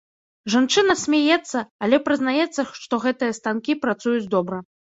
Жанчына смяецца, але прызнаецца, што гэтыя станкі працуюць добра.